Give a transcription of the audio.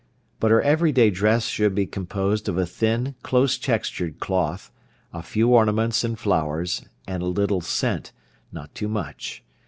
But her every day dress should be composed of a thin, close textured cloth, a few ornaments and flowers, and a little scent, not too much.